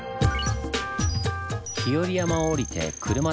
日和山を下りて車で５分。